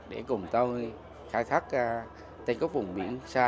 để cùng tôi khai thác tây quốc vùng mĩnh sa